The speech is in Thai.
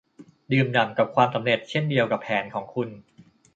ดื่มด่ำกับความสำเร็จเช่นเดียวกับแผนของคุณ